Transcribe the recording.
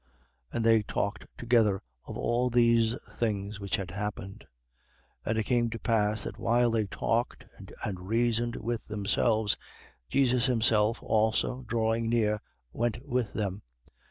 24:14. And they talked together of all these things which had happened. 24:15. And it came to pass that while they talked and reasoned with themselves, Jesus himself also, drawing near, went with them.